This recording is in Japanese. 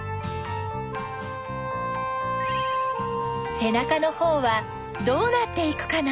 せなかのほうはどうなっていくかな？